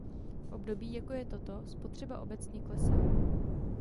V období, jako je toto, spotřeba obecně klesá.